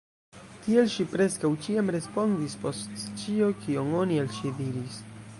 Tiel ŝi preskaŭ ĉiam respondis post ĉio, kion oni al ŝi diris.